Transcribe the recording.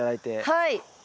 はい。